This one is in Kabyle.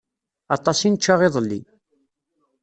Aṭas i nečča iḍelli.